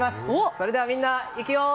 それではみんないくよ！